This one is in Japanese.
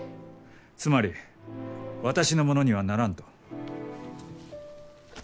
つまり私のものにはならんと？